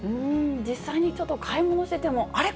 実際にちょっと買い物してても、あれ？